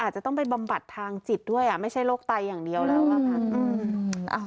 จะต้องไปบำบัดทางจิตด้วยไม่ใช่โรคไตอย่างเดียวแล้วอะค่ะ